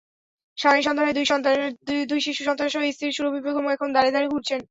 স্বামীর সন্ধানে দুই শিশুসন্তান নিয়ে স্ত্রী সুরভী বেগম এখন দ্বারে দ্বারে ঘুরছেন।